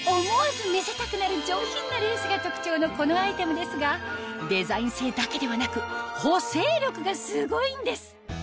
思わず見せたくなる上品なレースが特長のこのアイテムですがデザイン性だけではなく補整力がすごいんです